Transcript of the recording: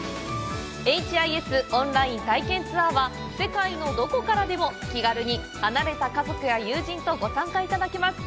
オンライン体験ツアーは世界のどこからでも気軽に離れた家族や友人とご参加いただけます！